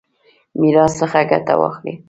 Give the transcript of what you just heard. میراث څخه ګټه واخلي.